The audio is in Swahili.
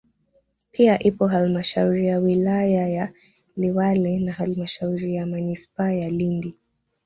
Pia ipo halmashauri ya wilaya ya Liwale na halmashauri ya manispaa ya Lindi